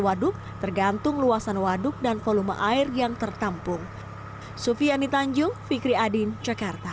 waduk tergantung luasan waduk dan volume air yang tertampung sufiani tanjung fikri adin jakarta